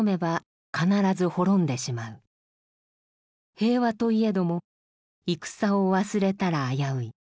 平和といえども戦を忘れたら危うい」。